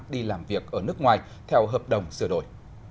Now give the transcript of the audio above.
đi làm việc ở nước ngoài theo hợp đồng sửa đổi